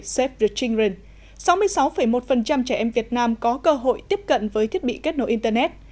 save the children sáu mươi sáu một trẻ em việt nam có cơ hội tiếp cận với thiết bị kết nối internet